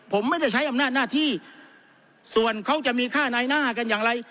ผมไม่ได้ใช้อำนาจหน้าที่ส่วนเขาจะมีค่าในหน้ากันอย่างไร